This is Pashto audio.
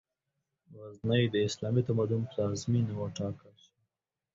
غزنی، د اسلامي تمدن پلازمېنه وټاکل شوه.